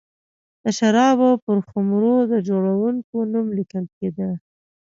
د شرابو پر خُمرو د جوړوونکي نوم لیکل کېده.